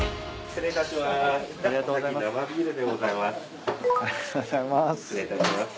失礼いたします。